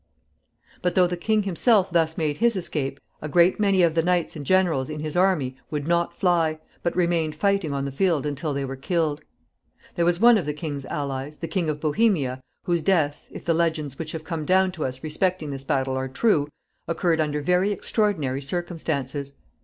But, though the king himself thus made his escape, a great many of the knights and generals in his army would not fly, but remained fighting on the field until they were killed. There was one of the king's allies, the King of Bohemia, whose death, if the legends which have come down to us respecting this battle are true, occurred under very extraordinary circumstances.